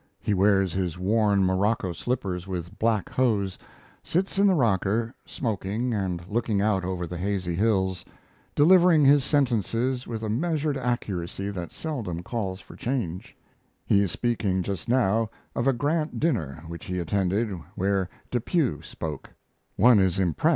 He wears his worn morocco slippers with black hose; sits in the rocker, smoking and looking out over the hazy hills, delivering his sentences with a measured accuracy that seldom calls for change. He is speaking just now of a Grant dinner which he attended where Depew spoke.